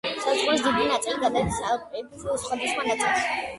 საზღვრის დიდი ნაწილი გადის ალპების სხვადასხვა ნაწილში.